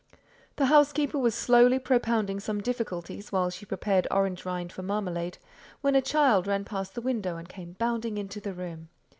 The housekeeper was slowly propounding some difficulties, while she prepared orange rind for marmalade, when a child ran past the window and came bounding into the room.